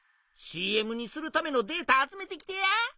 ＣＭにするためのデータ集めてきてや。